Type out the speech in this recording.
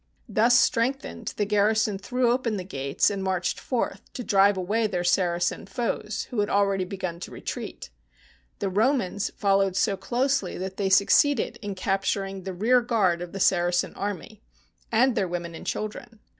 Thus strengthened, the garrison threw open the gates and marched forth to drive away their Saracen foes, who had already begun to retreat. The Ro mans followed so closely that they succeeded in capturing the rear guard of the Saracen army, and THE BOOK OF FAMOUS SIEGES their women and children.